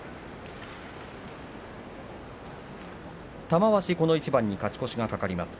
玉鷲、この一番に勝ち越しが懸かります。